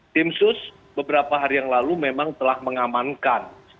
tim sus beberapa hari yang lalu memang telah mengamankan